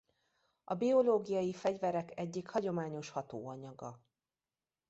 A biológiai fegyverek egyik hagyományos hatóanyaga.